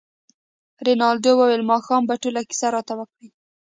رینالډي وویل ماښام به ټوله کیسه راته وکړې.